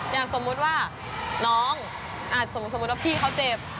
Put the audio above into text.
อย่างสมมุติว่าน้องอาจสมมุติว่าพี่เขาเจ็บ